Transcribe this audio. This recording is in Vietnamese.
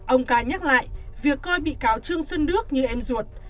ông ca nhắc lại việc coi bị cáo trương xuân đức như em ruột